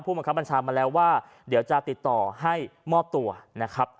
บังคับบัญชามาแล้วว่าเดี๋ยวจะติดต่อให้มอบตัวนะครับ